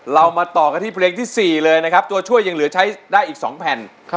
เรามาต่อกันที่เพลงที่๔เลยนะครับตัวช่วยยังเหลือใช้ได้อีก๒แผ่น